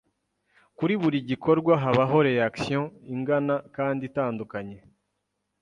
Kuri buri gikorwa habaho reaction ingana kandi itandukanye.